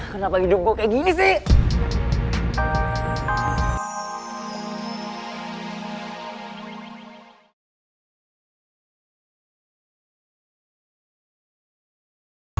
kenapa hidup gue kayak gini sih